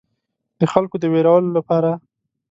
د خلکو د ویرولو لپاره.